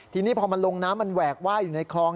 ทีนี้พอมันลงน้ำมันแหวกว่ายอยู่ในคลอง